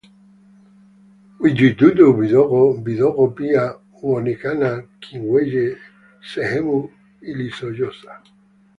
Vijidudu vidogo vidogo pia huonekana kwenye sehemu iliyooza